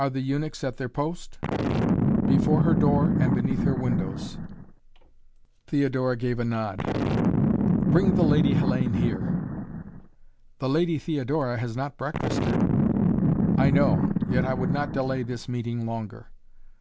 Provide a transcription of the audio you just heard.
"Are the eunuchs at their post?" "Before her door and beneath her windows." Theodora gave a nod. "Bring the Lady Hellayne here!" "The Lady Theodora has not breakfasted." "I know! Yet I would not delay this meeting longer."